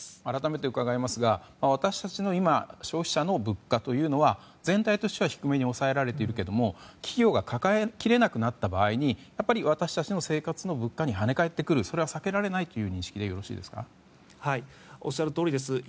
改めて伺いますが私たちの今の消費者の物価というのは全体としては低めに抑えられているけれども企業が抱えきれなくなった場合私たちの生活の物価に跳ね返ってくるそれは避けられないというおっしゃるとおりです。